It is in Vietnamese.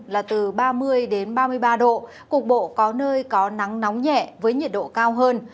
là từ ba mươi ba mươi ba độ cục bộ có nơi có nắng nóng nhẹ với nhiệt độ cao hơn